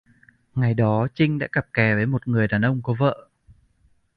Ngày đó chinh đã cặp kè với một người đàn ông có vợ